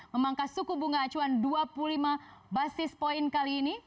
memangkas suku bunga acuan dua puluh lima basis point kali ini